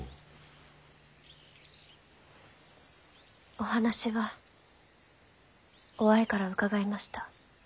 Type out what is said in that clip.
お話は於愛から伺いました。